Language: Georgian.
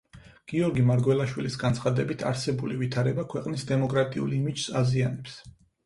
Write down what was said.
გიორგი მარგველაშვილის განცხადებით, არსებული ვითარება ქვეყნის დემოკრატიულ იმიჯს აზიანებს.